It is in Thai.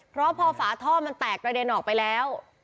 เพราะพอฝาท่อมันแตกกระเด็นออกไปแล้ว